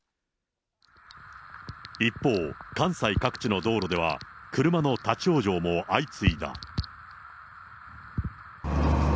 一方、関西各地の道路では、車の立往生も相次いだ。